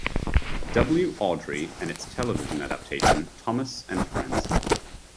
W. Awdry and its television adaptation, "Thomas and Friends".